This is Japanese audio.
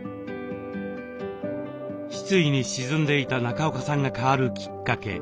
失意に沈んでいた中岡さんが変わるきっかけ。